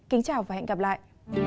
kính chào và hẹn gặp lại